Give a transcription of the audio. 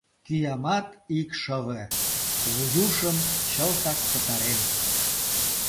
Киямат икшыве, вуйушым чылтак пытарен.